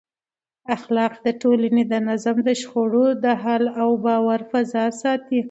اخلاق د ټولنې د نظم، د شخړو د حل او د باور فضا ساتي.